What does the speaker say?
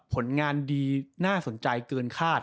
ผลงานดีน่าสนใจเกินคาด